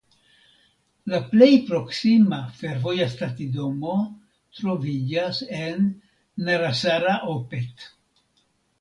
La plej proksima fervoja stacidomo troviĝas en Narasaraopet.